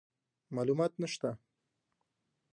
معلومات نشته،